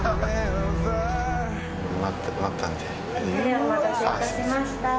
・お待たせいたしました